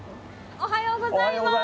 おはようございます。